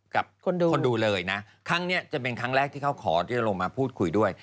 กับคนดูคนดูเลยนะครั้งนี้จะเป็นครั้งแรกที่เขาขอที่จะลงมาพูดคุยด้วย